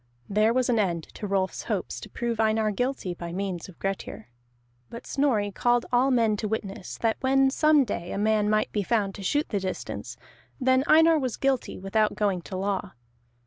There was an end to Rolf's hopes to prove Einar guilty by the means of Grettir. But Snorri called all men to witness that when some day a man might be found to shoot the distance, then Einar was guilty without going to law.